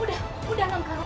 udah udah anak anak